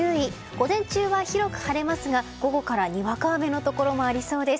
午前中は広く晴れますが午後からにわか雨のところもありそうです。